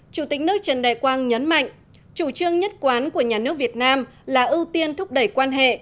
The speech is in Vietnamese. chủ tịch nước trần đại quang nhấn mạnh chủ trương nhất quán của nhà nước việt nam là ưu tiên thúc đẩy quan hệ